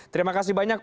terima kasih banyak